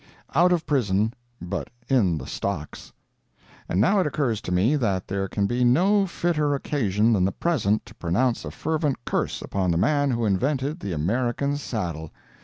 OUT OF PRISON, BUT IN THE STOCKS And now it occurs to me that there can be no fitter occasion than the present to pronounce a fervent curse upon the man who invented the American saddle.